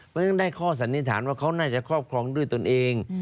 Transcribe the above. เพราะฉะนั้นได้ข้อสันนิษฐานว่าเขาน่าจะครอบครองด้วยตนเอง